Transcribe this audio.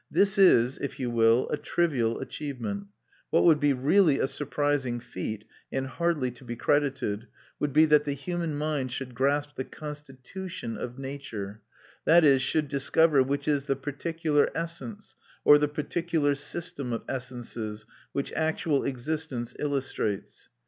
This is, if you will, a trivial achievement; what would be really a surprising feat, and hardly to be credited, would be that the human mind should grasp the constitution of nature; that is, should discover which is the particular essence, or the particular system of essences, which actual existence illustrates.